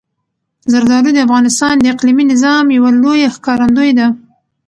زردالو د افغانستان د اقلیمي نظام یوه لویه ښکارندوی ده.